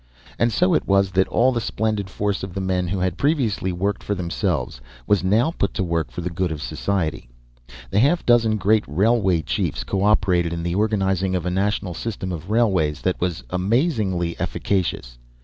And so it was that all the splendid force of the men who had previously worked for themselves was now put to work for the good of society. The half dozen great railway chiefs co operated in the organizing of a national system of railways that was amazingly efficacious.